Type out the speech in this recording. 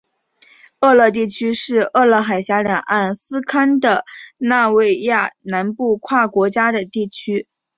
厄勒地区是厄勒海峡两岸斯堪的纳维亚南部跨国家的地区。